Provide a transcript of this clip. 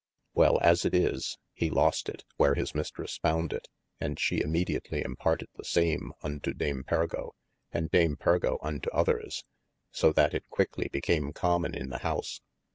Well, as it is he lost it, where his Mistresse found it, and she immediatly imparted the same unto Dame Pergo, and Dame Pergo unto others: so that it quickely became common in the house.